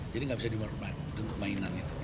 jadi nggak bisa dimorban untuk mainan itu